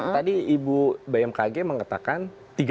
tadi ibu bmkg mengatakan